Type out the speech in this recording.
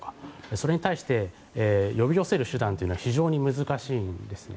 それに対して呼び寄せる手段というのは非常に難しいんですね。